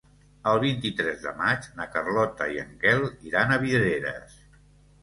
El vint-i-tres de maig na Carlota i en Quel iran a Vidreres.